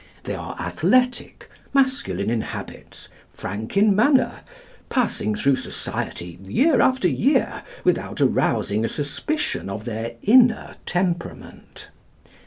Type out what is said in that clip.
They are athletic, masculine in habits, frank in manner, passing through society year after year without arousing a suspicion of their inner temperament.